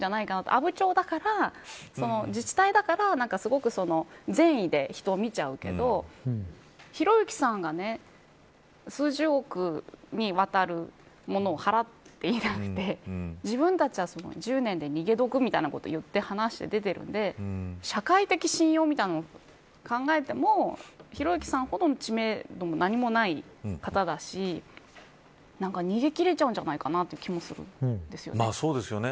阿武町だから、自治体だから善意で人を見ちゃうけどひろゆきさんが数十億にわたるものを払っていなくて自分たちは１０年で逃げ得みたいなことを話しているんで社会的信用みたいなものを考えてもひろゆきさんほどの知名度も何もない方だし逃げ切れちゃうんじゃないかなという気もするんですよ。